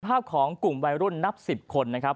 ภาพของกลุ่มวัยรุ่นนับ๑๐คนนะครับ